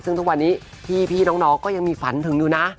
ซึ่งทุกวันนี้พี่น้องก็ยังมีฝันถึงอยู่นะ